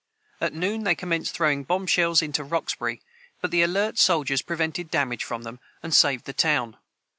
At noon they commenced throwing bombshells into Roxbury, but the alert soldiers prevented damage from them, and saved the town.